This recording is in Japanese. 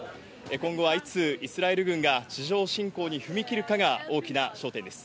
今後はいつイスラエル軍が地上侵攻に踏み切るかが大きな焦点です。